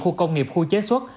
khu công nghiệp khu chế xuất